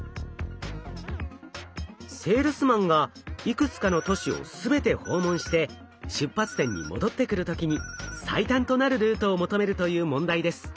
セールスマンがいくつかの都市を全て訪問して出発点に戻ってくる時に最短となるルートを求めるという問題です。